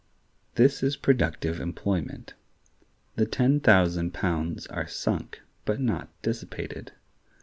This is productive employment. The ten thousand pounds are sunk, but not dissipated.